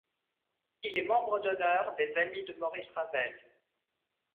Il est membre d'honneur des Amis de Maurice Ravel.